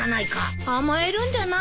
甘えるんじゃないの。